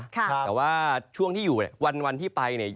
แต่ว่าช่วงที่อยู่วันที่ไปเนี่ย